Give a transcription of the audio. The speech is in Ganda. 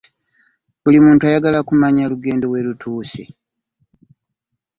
Buli muntu ayagala kumanya lugendo we lutuuse.